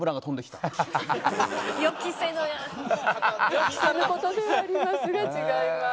予期せぬ事ではありますが違います。